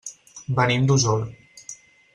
Venim d'Osor.